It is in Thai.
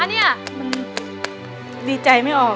ดีใจไม่ออก